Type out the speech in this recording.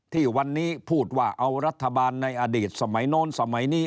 ที่วันนี้พูดว่าเอารัฐบาลในอดีตสมัยโน้นสมัยนี้